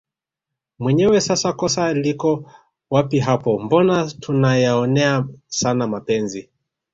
mwenyewe sasa kosa liko wapi hapo mbona tuna yaonea sana mapenzi